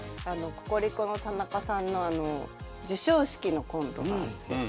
ココリコの田中さんの授賞式のコントがあって。